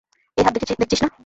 এই হাত দেখছিস না?